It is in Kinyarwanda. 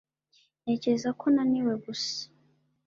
Ntekereza ko naniwe gusa